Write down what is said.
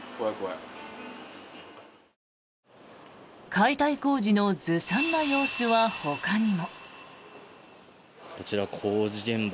解体工事のずさんな様子はほかにも。